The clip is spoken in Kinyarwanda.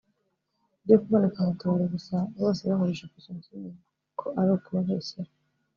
Ibyo kuboneka mu tubari gusa bose bahurije ku kintu kimwe ko ari ukubabeshyera